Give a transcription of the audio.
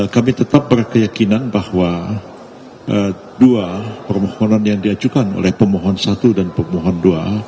kami tetap berkeyakinan bahwa dua permohonan yang diajukan oleh pemohon satu dan pemohon dua